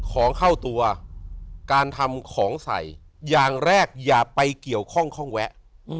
ของเข้าตัวการทำของใส่อย่างแรกอย่าไปเกี่ยวข้องคล่องแวะ